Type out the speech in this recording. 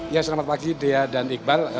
ya selamat pagi dea dan iqbal